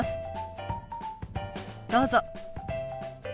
どうぞ。